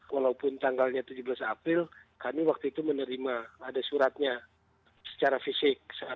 walaupun tanggalnya tujuh belas april kami waktu itu menerima ada suratnya secara fisik